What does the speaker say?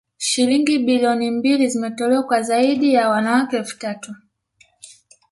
Shilingi bilioni mbili zimetolewa kwa zaidi ya wanawake elfu tatu